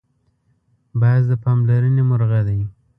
باز د پاملرنې مرغه دی